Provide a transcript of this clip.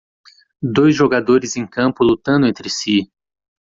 dois jogadores em um campo lutando entre si.